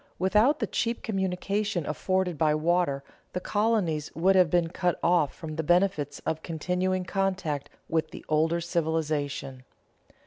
Without the cheap communication afforded by water, the colonies would have been cut off from the benefits of continuing contact with the older civilization.